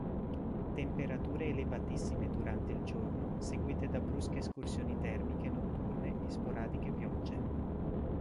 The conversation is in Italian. Temperature elevatissime durante il giorno seguite da brusche escursioni termiche notturne e sporadiche piogge.